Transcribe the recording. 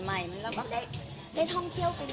มันเราก็ได้ท่องเที่ยวกันเรื่อยค่ะ